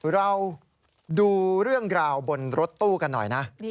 เราดูเรื่องราวบนรถตู้กันหน่อยนะ